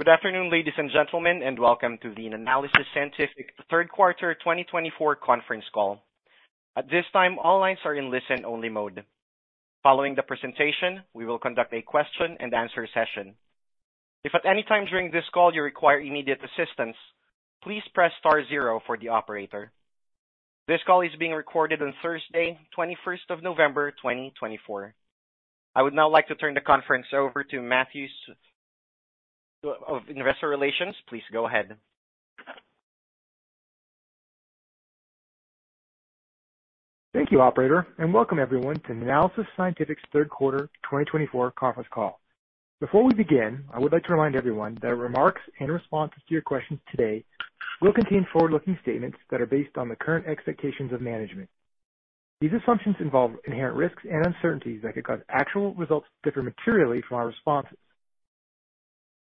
Good afternoon, ladies and gentlemen, and welcome to the Nanalysis Scientific Third Quarter 2024 conference call. At this time, all lines are in listen-only mode. Following the presentation, we will conduct a question-and-answer session. If at any time during this call you require immediate assistance, please press star zero for the operator. This call is being recorded on Thursday, 21st of November, 2024. I would now like to turn the conference over to Matthew Selinger, Director of Investor Relations. Please go ahead. Thank you, Operator, and welcome everyone to Nanalysis Scientific's Third Quarter 2024 conference call. Before we begin, I would like to remind everyone that our remarks and responses to your questions today will contain forward-looking statements that are based on the current expectations of management. These assumptions involve inherent risks and uncertainties that could cause actual results to differ materially from our responses.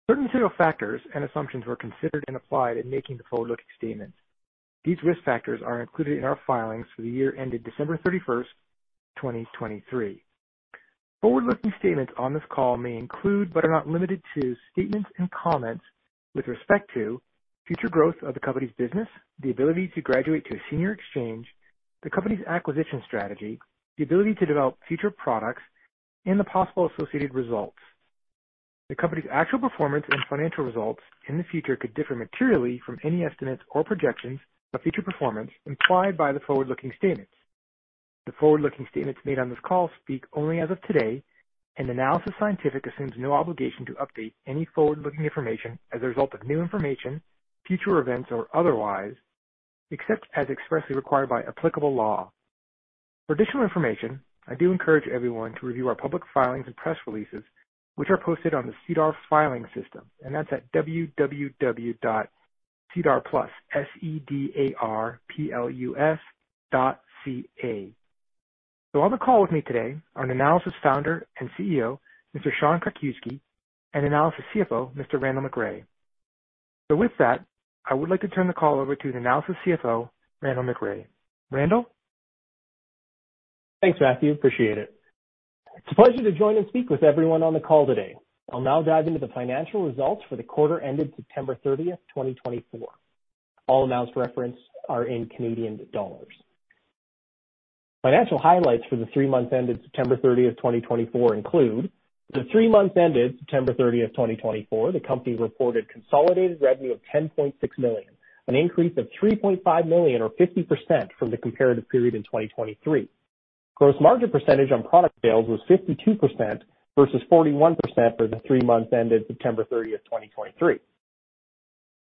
Certain material factors and assumptions were considered and applied in making the forward-looking statements. These risk factors are included in our filings for the year ended December 31st, 2023. Forward-looking statements on this call may include but are not limited to statements and comments with respect to future growth of the company's business, the ability to graduate to a senior exchange, the company's acquisition strategy, the ability to develop future products, and the possible associated results. The company's actual performance and financial results in the future could differ materially from any estimates or projections of future performance implied by the forward-looking statements. The forward-looking statements made on this call speak only as of today, and Nanalysis Scientific assumes no obligation to update any forward-looking information as a result of new information, future events, or otherwise, except as expressly required by applicable law. For additional information, I do encourage everyone to review our public filings and press releases, which are posted on the SEDAR+ filing system, and that's at www.sedarplus.ca. So on the call with me today are Nanalysis Founder and CEO, Mr. Sean Krakiwsky, and Nanalysis CFO, Mr. Randall McRae. So with that, I would like to turn the call over to Nanalysis CFO, Randall McRae. Randall? Thanks, Matthew. Appreciate it. It's a pleasure to join and speak with everyone on the call today. I'll now dive into the financial results for the quarter ended September 30th, 2024. All amounts referenced are in Canadian dollars. Financial highlights for the three months ended September 30th, 2024 include: the company reported consolidated revenue of 10.6 million, an increase of 3.5 million, or 50% from the comparative period in 2023. Gross margin percentage on product sales was 52% versus 41% for the three months ended September 30th, 2023.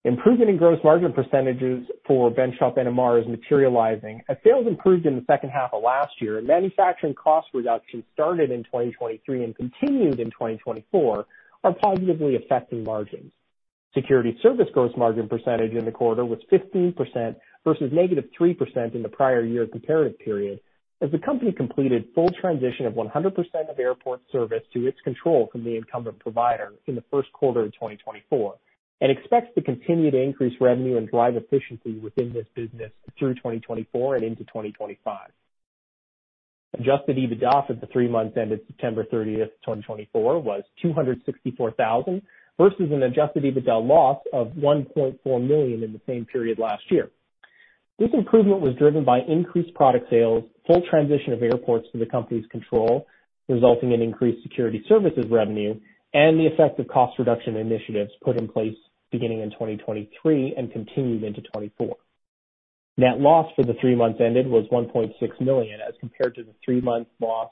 Improvement in gross margin percentages for Benchtop NMR is materializing as sales improved in the second half of last year, and manufacturing cost reductions started in 2023 and continued in 2024 are positively affecting margins. Security service gross margin percentage in the quarter was 15% versus negative 3% in the prior year comparative period, as the company completed full transition of 100% of airport service to its control from the incumbent provider in the first quarter of 2024 and expects to continue to increase revenue and drive efficiency within this business through 2024 and into 2025. Adjusted EBITDA for the three months ended September 30th, 2024, was 264,000 versus an adjusted EBITDA loss of 1.4 million in the same period last year. This improvement was driven by increased product sales, full transition of airports to the company's control, resulting in increased security services revenue, and the effect of cost reduction initiatives put in place beginning in 2023 and continued into 2024. Net loss for the three months ended was 1.6 million, as compared to the three-month loss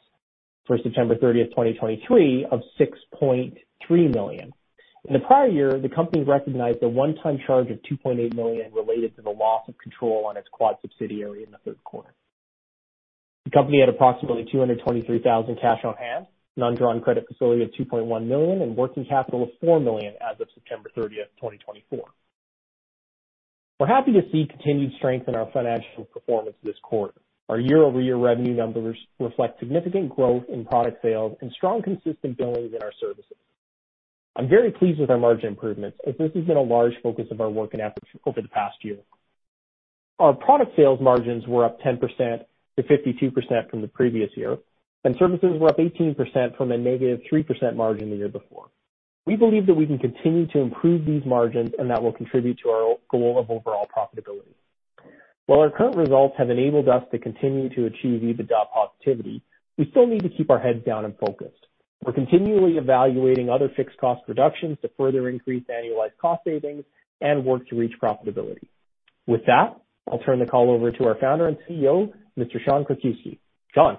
for September 30th, 2023, of 6.3 million. In the prior year, the company recognized a one-time charge of 2.8 million related to the loss of control on its Quad subsidiary in the third quarter. The company had approximately 223,000 cash on hand, an undrawn credit facility of 2.1 million, and working capital of 4 million as of September 30th, 2024. We're happy to see continued strength in our financial performance this quarter. Our year-over-year revenue numbers reflect significant growth in product sales and strong, consistent billing in our services. I'm very pleased with our margin improvements, as this has been a large focus of our work and efforts over the past year. Our product sales margins were up 10% to 52% from the previous year, and services were up 18% from a negative 3% margin the year before. We believe that we can continue to improve these margins and that will contribute to our goal of overall profitability. While our current results have enabled us to continue to achieve EBITDA positivity, we still need to keep our heads down and focused. We're continually evaluating other fixed cost reductions to further increase annualized cost savings and work to reach profitability. With that, I'll turn the call over to our Founder and CEO, Mr. Sean Krakiwsky. Sean.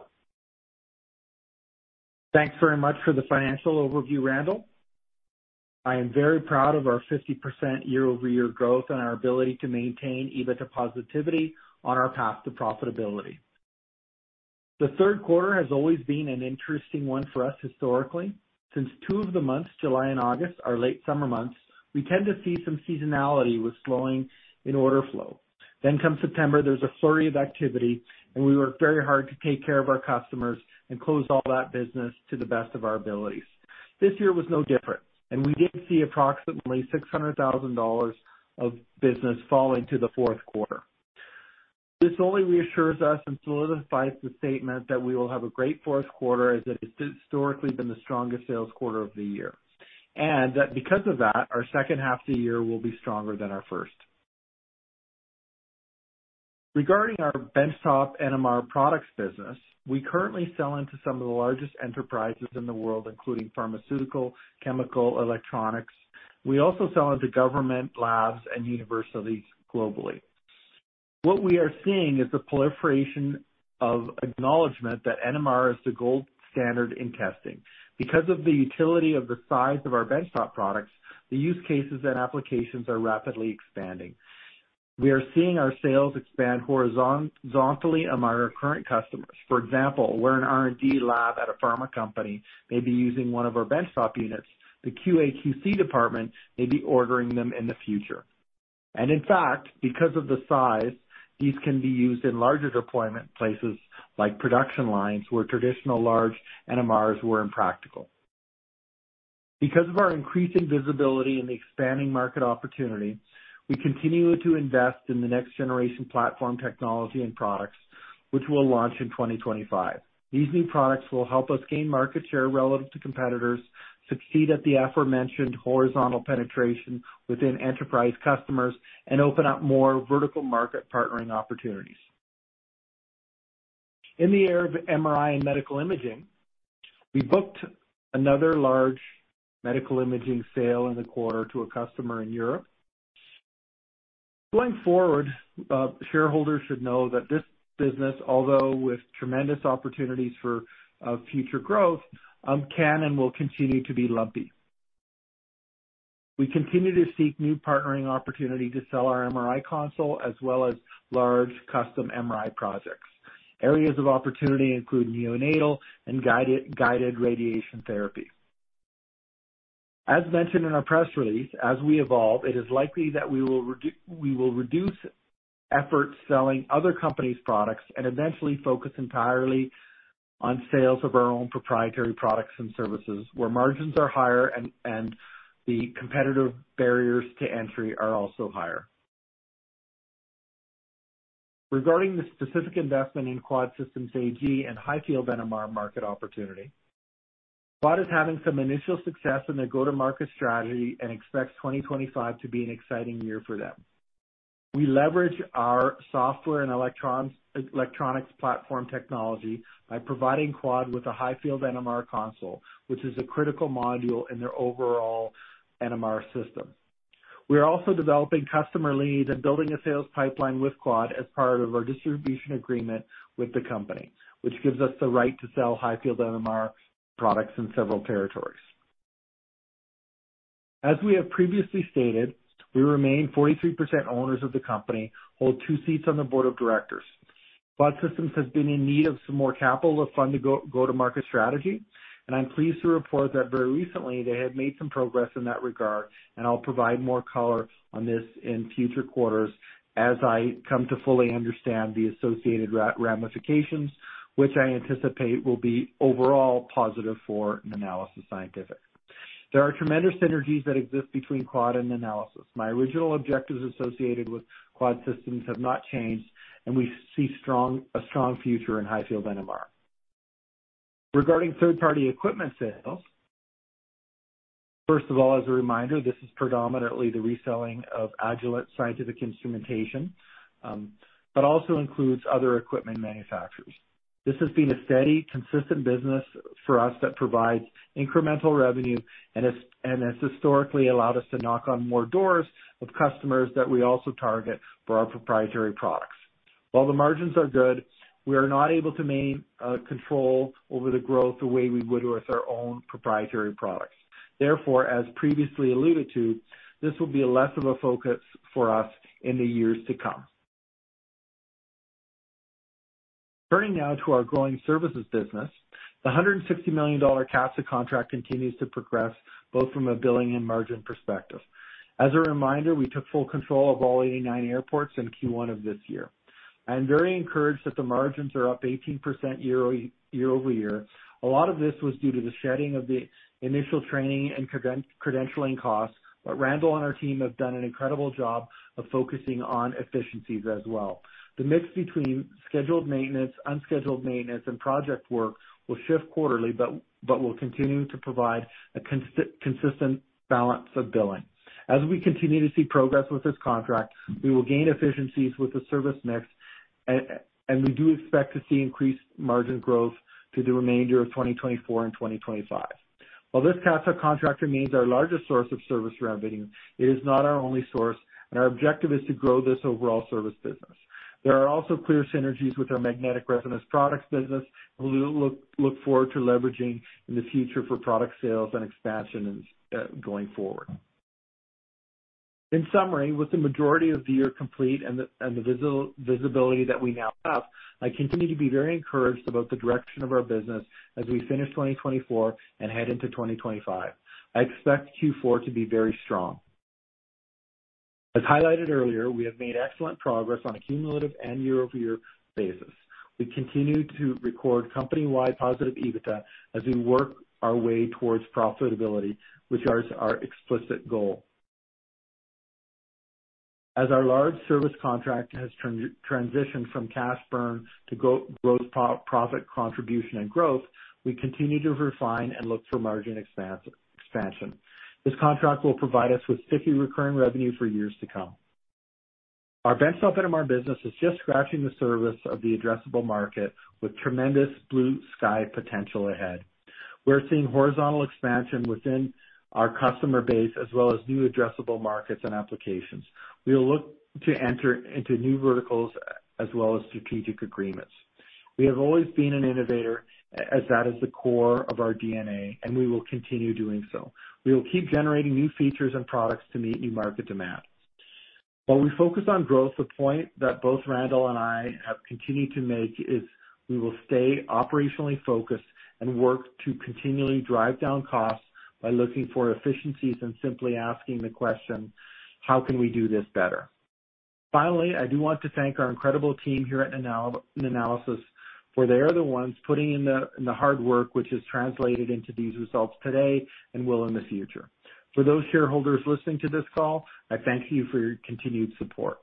Thanks very much for the financial overview, Randall. I am very proud of our 50% year-over-year growth and our ability to maintain EBITDA positivity on our path to profitability. The third quarter has always been an interesting one for us historically. Since two of the months, July and August, are late summer months, we tend to see some seasonality with slowing in order flow. Then comes September, there's a flurry of activity, and we work very hard to take care of our customers and close all that business to the best of our abilities. This year was no different, and we did see approximately 600,000 dollars of business fall into the fourth quarter. This only reassures us and solidifies the statement that we will have a great fourth quarter, as it has historically been the strongest sales quarter of the year, and that because of that, our second half of the year will be stronger than our first. Regarding our Benchtop NMR products business, we currently sell into some of the largest enterprises in the world, including pharmaceutical, chemical, electronics. We also sell into government, labs, and universities globally. What we are seeing is the proliferation of acknowledgment that NMR is the gold standard in testing. Because of the utility of the size of our Benchtop products, the use cases and applications are rapidly expanding. We are seeing our sales expand horizontally among our current customers. For example, where an R&D lab at a pharma company may be using one of our Benchtop units, the QA/QC department may be ordering them in the future. In fact, because of the size, these can be used in larger deployment places like production lines where traditional large NMRs were impractical. Because of our increasing visibility and the expanding market opportunity, we continue to invest in the next-generation platform technology and products, which will launch in 2025. These new products will help us gain market share relative to competitors, succeed at the aforementioned horizontal penetration within enterprise customers, and open up more vertical market partnering opportunities. In the area of MRI and medical imaging, we booked another large medical imaging sale in the quarter to a customer in Europe. Going forward, shareholders should know that this business, although with tremendous opportunities for future growth, can and will continue to be lumpy. We continue to seek new partnering opportunities to sell our MRI console as well as large custom MRI projects. Areas of opportunity include neonatal and guided radiation therapy. As mentioned in our press release, as we evolve, it is likely that we will reduce efforts selling other companies' products and eventually focus entirely on sales of our own proprietary products and services where margins are higher and the competitive barriers to entry are also higher. Regarding the specific investment in Quad Systems AG and high-field NMR market opportunity, Quad is having some initial success in their go-to-market strategy and expects 2025 to be an exciting year for them. We leverage our software and electronics platform technology by providing Quad with a high-field NMR console, which is a critical module in their overall NMR system. We are also developing customer leads and building a sales pipeline with Quad as part of our distribution agreement with the company, which gives us the right to sell high-field NMR products in several territories. As we have previously stated, we remain 43% owners of the company, hold two seats on the board of directors. Quad Systems has been in need of some more capital to fund the go-to-market strategy, and I'm pleased to report that very recently they have made some progress in that regard, and I'll provide more color on this in future quarters as I come to fully understand the associated ramifications, which I anticipate will be overall positive for Nanalysis Scientific. There are tremendous synergies that exist between Quad and Nanalysis. My original objectives associated with Quad Systems have not changed, and we see a strong future in high-field NMR. Regarding third-party equipment sales, first of all, as a reminder, this is predominantly the reselling of Agilent scientific instrumentation, but also includes other equipment manufacturers. This has been a steady, consistent business for us that provides incremental revenue and has historically allowed us to knock on more doors of customers that we also target for our proprietary products. While the margins are good, we are not able to maintain control over the growth the way we would with our own proprietary products. Therefore, as previously alluded to, this will be less of a focus for us in the years to come. Turning now to our growing services business, the 160 million dollar CATSA contract continues to progress both from a billing and margin perspective. As a reminder, we took full control of all 89 airports in Q1 of this year. I'm very encouraged that the margins are up 18% year-over-year. A lot of this was due to the shedding of the initial training and credentialing costs, but Randall and our team have done an incredible job of focusing on efficiencies as well. The mix between scheduled maintenance, unscheduled maintenance, and project work will shift quarterly but will continue to provide a consistent balance of billing. As we continue to see progress with this contract, we will gain efficiencies with the service mix, and we do expect to see increased margin growth through the remainder of 2024 and 2025. While this CATSA contract remains our largest source of service revenue, it is not our only source, and our objective is to grow this overall service business. There are also clear synergies with our magnetic resonance products business, and we look forward to leveraging in the future for product sales and expansion going forward. In summary, with the majority of the year complete and the visibility that we now have, I continue to be very encouraged about the direction of our business as we finish 2024 and head into 2025. I expect Q4 to be very strong. As highlighted earlier, we have made excellent progress on a cumulative and year-over-year basis. We continue to record company-wide positive EBITDA as we work our way towards profitability, which is our explicit goal. As our large service contract has transitioned from cash burn to gross profit contribution and growth, we continue to refine and look for margin expansion. This contract will provide us with sticky recurring revenue for years to come. Our Benchtop NMR business is just scratching the surface of the addressable market with tremendous blue sky potential ahead. We're seeing horizontal expansion within our customer base as well as new addressable markets and applications. We will look to enter into new verticals as well as strategic agreements. We have always been an innovator, as that is the core of our DNA, and we will continue doing so. We will keep generating new features and products to meet new market demand. While we focus on growth, the point that both Randall and I have continued to make is we will stay operationally focused and work to continually drive down costs by looking for efficiencies and simply asking the question, "How can we do this better?" Finally, I do want to thank our incredible team here at Nanalysis for they are the ones putting in the hard work, which has translated into these results today and will in the future. For those shareholders listening to this call, I thank you for your continued support.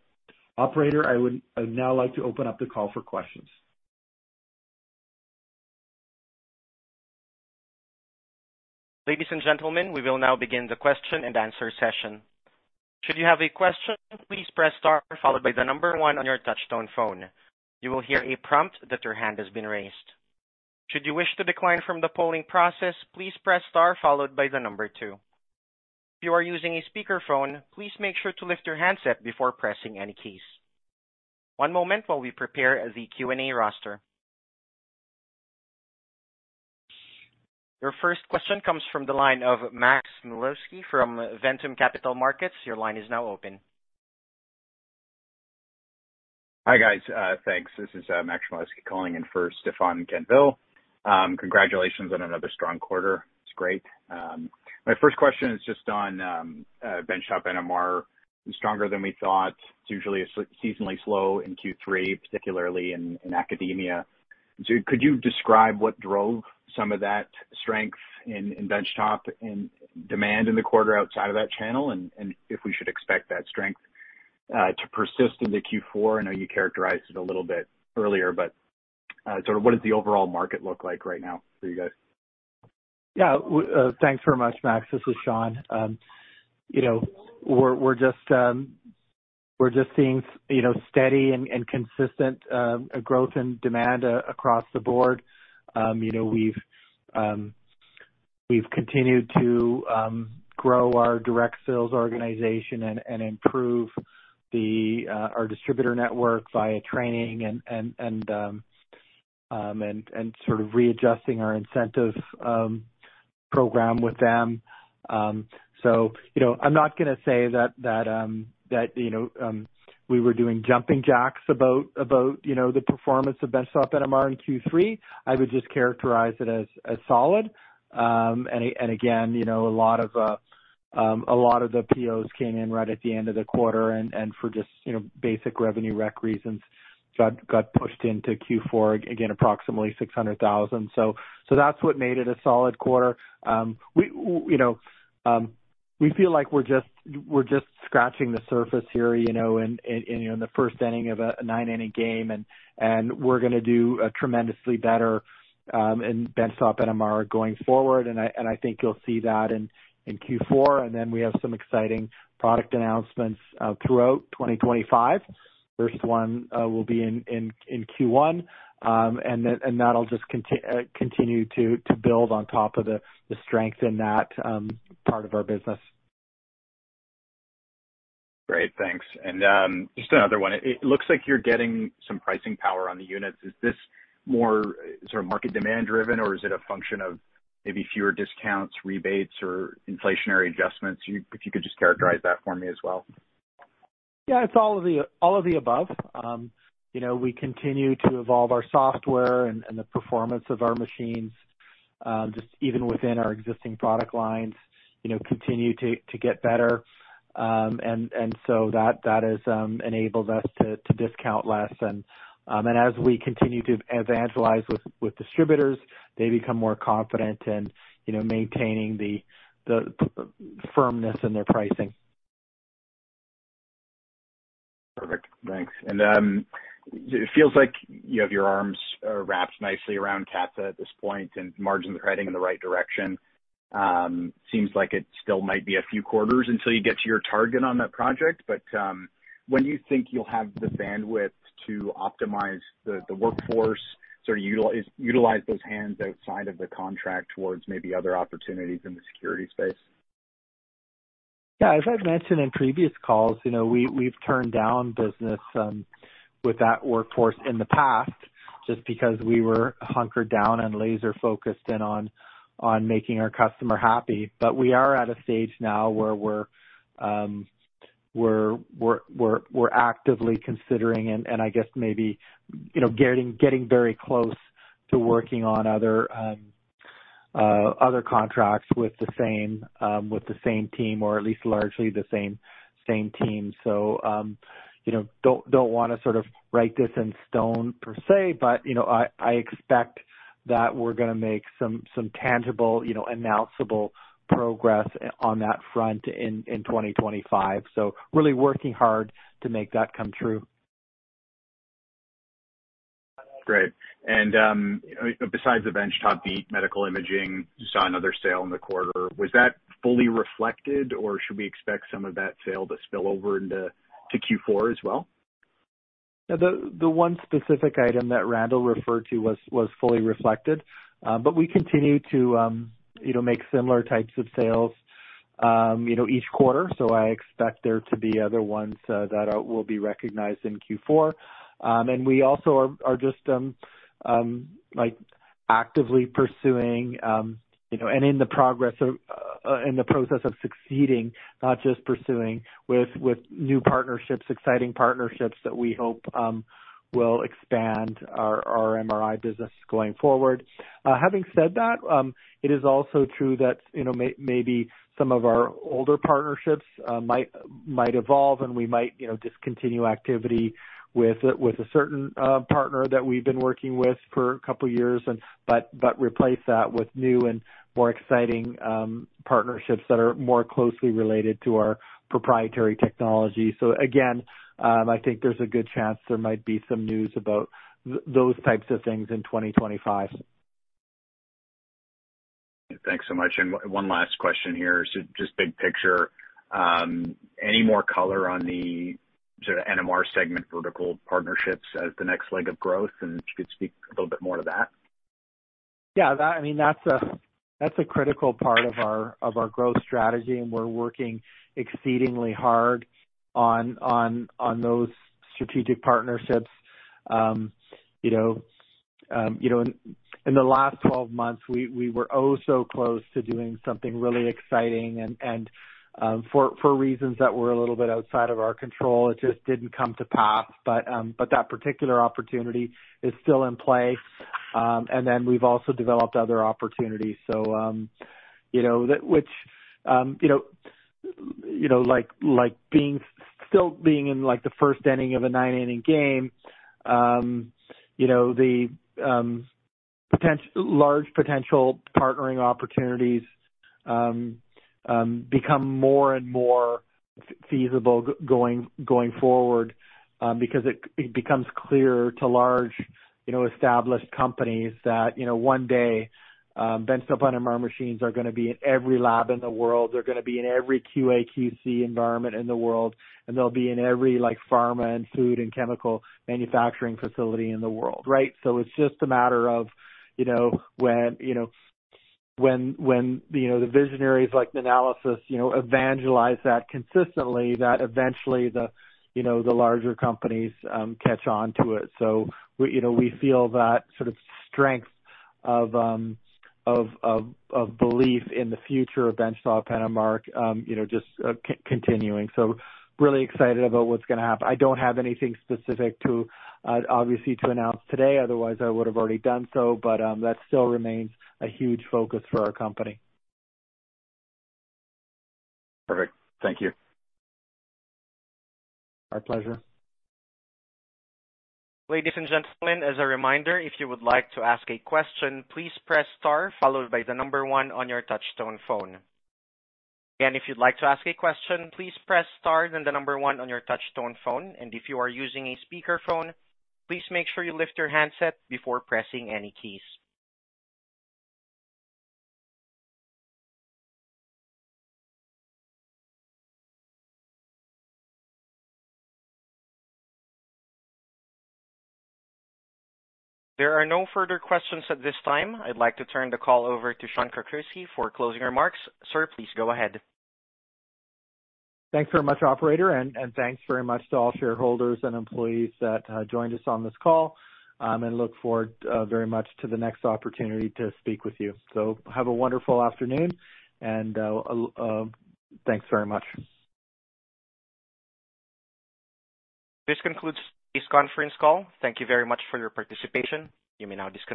Operator, I would now like to open up the call for questions. Ladies and gentlemen, we will now begin the question and answer session. Should you have a question, please press star followed by the number one on your touch-tone phone. You will hear a prompt that your hand has been raised. Should you wish to decline from the polling process, please press star followed by the number two. If you are using a speakerphone, please make sure to lift your handset before pressing any keys. One moment while we prepare the Q&A roster. Your first question comes from the line of Max Milewski from Ventum Capital Markets. Your line is now open. Hi guys, thanks. This is Max Milewski calling in for Stefan Quenneville. Congratulations on another strong quarter. It's great. My first question is just on Benchtop NMR. Stronger than we thought. It's usually seasonally slow in Q3, particularly in academia. Could you describe what drove some of that strength in Benchtop and demand in the quarter outside of that channel and if we should expect that strength to persist into Q4? I know you characterized it a little bit earlier, but sort of what does the overall market look like right now for you guys? Yeah, thanks very much, Max. This is Sean. We're just seeing steady and consistent growth in demand across the board. We've continued to grow our direct sales organization and improve our distributor network via training and sort of readjusting our incentive program with them. So I'm not going to say that we were doing jumping jacks about the performance of Benchtop NMR in Q3. I would just characterize it as solid, and again, a lot of the POs came in right at the end of the quarter and for just basic revenue rec reasons got pushed into Q4, again, approximately 600,000, so that's what made it a solid quarter. We feel like we're just scratching the surface here in the first inning of a nine-inning game, and we're going to do tremendously better in Benchtop NMR going forward, and I think you'll see that in Q4. And then we have some exciting product announcements throughout 2025. The first one will be in Q1, and that'll just continue to build on top of the strength in that part of our business. Great, thanks. And just another one. It looks like you're getting some pricing power on the units. Is this more sort of market demand-driven, or is it a function of maybe fewer discounts, rebates, or inflationary adjustments? If you could just characterize that for me as well. Yeah, it's all of the above. We continue to evolve our software and the performance of our machines, just even within our existing product lines, continue to get better. And so that has enabled us to discount less. And as we continue to evangelize with distributors, they become more confident in maintaining the firmness in their pricing. Perfect, thanks. And it feels like you have your arms wrapped nicely around CATSA at this point, and margins are heading in the right direction. Seems like it still might be a few quarters until you get to your target on that project. But when do you think you'll have the bandwidth to optimize the workforce, sort of utilize those hands outside of the contract towards maybe other opportunities in the security space? Yeah, as I've mentioned in previous calls, we've turned down business with that workforce in the past just because we were hunkered down and laser-focused in on making our customer happy. But we are at a stage now where we're actively considering and I guess maybe getting very close to working on other contracts with the same team or at least largely the same team. So don't want to sort of write this in stone per se, but I expect that we're going to make some tangible, announceable progress on that front in 2025. So really working hard to make that come true. Great. And besides the Benchtop, the medical imaging, you saw another sale in the quarter. Was that fully reflected, or should we expect some of that sale to spill over into Q4 as well? Yeah, the one specific item that Randall referred to was fully reflected, but we continue to make similar types of sales each quarter, so I expect there to be other ones that will be recognized in Q4, and we also are just actively pursuing and in the process of succeeding, not just pursuing, with new partnerships, exciting partnerships that we hope will expand our MRI business going forward. Having said that, it is also true that maybe some of our older partnerships might evolve, and we might discontinue activity with a certain partner that we've been working with for a couple of years, but replace that with new and more exciting partnerships that are more closely related to our proprietary technology, so again, I think there's a good chance there might be some news about those types of things in 2025. Thanks so much. And one last question here, just big picture. Any more color on the sort of NMR segment vertical partnerships as the next leg of growth? And if you could speak a little bit more to that. Yeah, I mean, that's a critical part of our growth strategy, and we're working exceedingly hard on those strategic partnerships. In the last 12 months, we were oh so close to doing something really exciting. And for reasons that were a little bit outside of our control, it just didn't come to pass. But that particular opportunity is still in play. And then we've also developed other opportunities, which like still being in the first inning of a nine-inning game, the large potential partnering opportunities become more and more feasible going forward because it becomes clear to large established companies that one day Benchtop NMR machines are going to be in every lab in the world. They're going to be in every QA/QC environment in the world, and they'll be in every pharma and food and chemical manufacturing facility in the world, right? So it's just a matter of when the visionaries like Nanalysis evangelize that consistently, that eventually the larger companies catch on to it. So we feel that sort of strength of belief in the future of Benchtop NMR just continuing. So really excited about what's going to happen. I don't have anything specific to obviously to announce today. Otherwise, I would have already done so, but that still remains a huge focus for our company. Perfect. Thank you. Our pleasure. Ladies and gentlemen, as a reminder, if you would like to ask a question, please press star followed by the number one on your touch-tone phone, and if you'd like to ask a question, please press star then the number one on your touch-tone phone. And if you are using a speakerphone, please make sure you lift your handset before pressing any keys. There are no further questions at this time. I'd like to turn the call over to Sean Krakiwsky for closing remarks. Sir, please go ahead. Thanks very much, Operator, and thanks very much to all shareholders and employees that joined us on this call. And look forward very much to the next opportunity to speak with you. So have a wonderful afternoon, and thanks very much. This concludes today's conference call. Thank you very much for your participation. You may now disconnect.